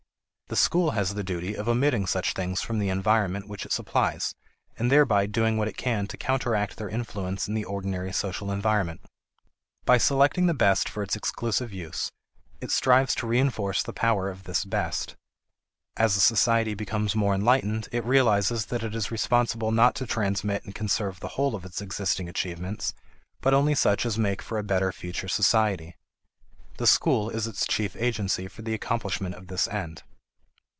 The school has the duty of omitting such things from the environment which it supplies, and thereby doing what it can to counteract their influence in the ordinary social environment. By selecting the best for its exclusive use, it strives to reinforce the power of this best. As a society becomes more enlightened, it realizes that it is responsible not to transmit and conserve the whole of its existing achievements, but only such as make for a better future society. The school is its chief agency for the accomplishment of this end.